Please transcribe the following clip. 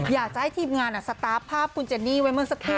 อยากจะให้ทีมงานสตาร์ฟภาพคุณเจนนี่ไว้เมื่อสักครู่